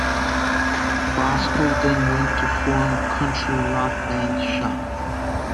Bosco then went to form country rock band Shotgun.